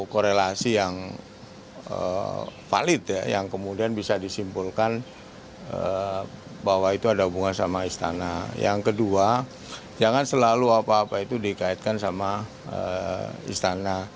korelasi yang valid ya yang kemudian bisa disimpulkan bahwa itu ada hubungan sama istana yang kedua jangan selalu apa apa itu dikaitkan sama istana